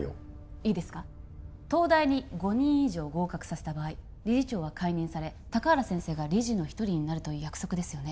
いいですか東大に５人以上合格させた場合理事長は解任され高原先生が理事の１人になるという約束ですよね？